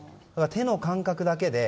手の感覚だけで。